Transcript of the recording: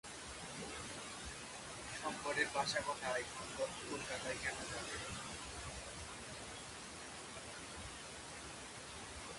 অতীতের অংশ হওয়াকে রোধ করার কোনো উপায় নেই।